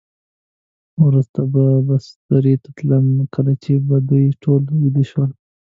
وروسته به بسترې ته تلم، کله چې به دوی ټول ویده شول.